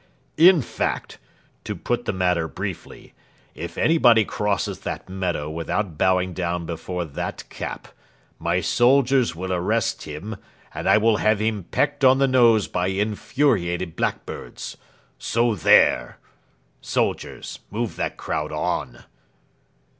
In fact, to put the matter briefly, if anybody crosses that meadow without bowing down before that cap, my soldiers will arrest him, and I will have him pecked on the nose by infuriated blackbirds. So there! Soldiers, move that crowd on!"